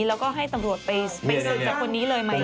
แล้วก็ให้ตำรวจไปสืบจากคนนี้เลยไหม